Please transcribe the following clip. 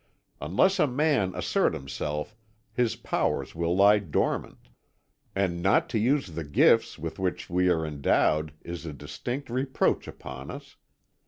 Unless a man assert himself his powers will lie dormant; and not to use the gifts with which we are endowed is a distinct reproach upon us.